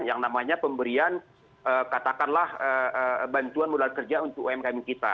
yang namanya pemberian katakanlah bantuan modal kerja untuk ekonomi